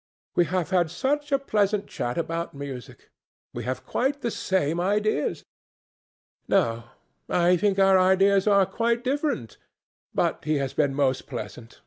We have had such a pleasant chat about music. We have quite the same ideas. No; I think our ideas are quite different. But he has been most pleasant.